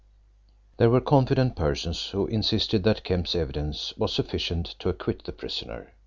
There were confident persons who insisted that Kemp's evidence was sufficient to acquit the prisoner.